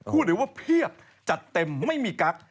เลยว่าเพียบจัดเต็มไม่มีกั๊ก